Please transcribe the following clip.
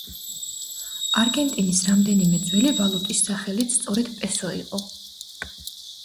არგენტინის რამდენიმე ძველი ვალუტის სახელიც სწორედ პესო იყო.